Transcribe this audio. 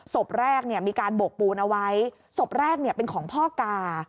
ศพแรกเนี่ยมีการโบกปูนเอาไว้ศพแรกเนี่ยเป็นของพ่อกา